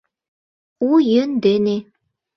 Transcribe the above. — У йӧн дене.